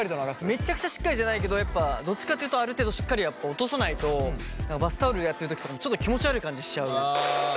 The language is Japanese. めっちゃくちゃしっかりじゃないけどやっぱどっちかっていうとある程度しっかりやっぱ落とさないとバスタオルやってる時とかもちょっと気持ち悪い感じしちゃうんです。